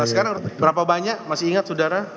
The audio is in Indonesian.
sekarang berapa banyak masih ingat saudara